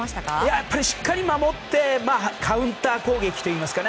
やっぱりしっかり守ってカウンター攻撃といいますか。